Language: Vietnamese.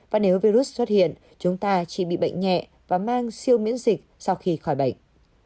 và nếu virus xuất hiện chúng ta chỉ bị bệnh nhẹ và mang siêu miễn dịch sau khi khỏi bệnh